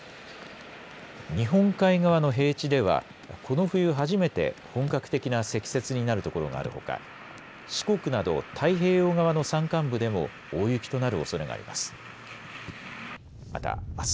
日本海側の平地ではこの冬、初めて本格的な積雪になる所があるほか四国など太平洋側の山間部でも大雪となるおそれがあります。